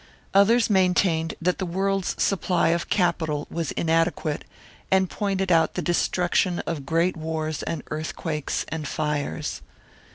Others maintained that the world's supply of capital was inadequate, and pointed out the destruction of great wars and earthquakes and fires.